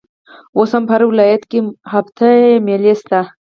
اوس هم په هر ولايت کښي هفته يي مېلې سته.